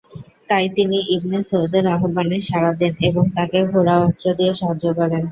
তাই তিনি ইবনে সৌদের আহ্বানে সাড়া দেন এবং তাকে ঘোড়া ও অস্ত্র দিয়ে সাহায্য করেন।